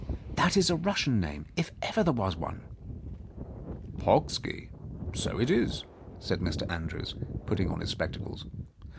That is a Russian name, if ever there was one !" "Pocksky — so it is," said Mr. Andrews, putting on his spectacles.